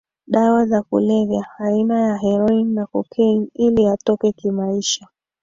dawa za kulevya aina ya heroine na cocaine ili atoke kimaisha